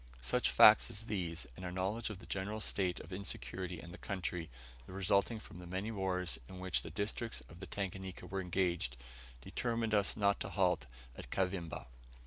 Such facts as these, and our knowledge of the general state of insecurity in the country, resulting from the many wars in which the districts of the Tanganika were engaged, determined us not to halt at Kavimba.